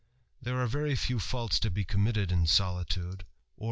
There are very few faults to be committed in solitude, or i64 THE HAMBLER.